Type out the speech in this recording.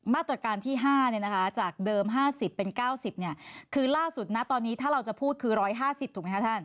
มาตรการที่๕จากเดิม๕๐เป็น๙๐คือล่าสุดนะตอนนี้ถ้าเราจะพูดคือ๑๕๐ถูกไหมคะท่าน